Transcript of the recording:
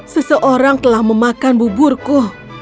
seseorang telah memakan buburku